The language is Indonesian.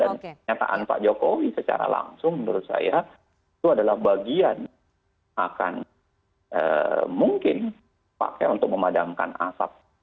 dan kenyataan pak jokowi secara langsung menurut saya itu adalah bagian akan mungkin pakai untuk memadamkan asap